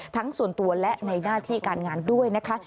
ทั้งส่วนตัวและในหน้าที่การงานด้วยนะคะ